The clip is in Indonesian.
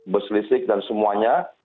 bus listrik dan semuanya